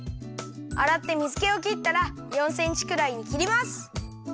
あらって水けをきったら４センチくらいにきります。